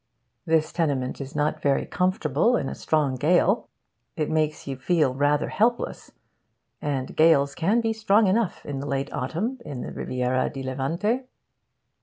This tenement is not very comfortable in a strong gale. It makes you feel rather helpless. And gales can be strong enough, in the late autumn, on the Riviera di Levante.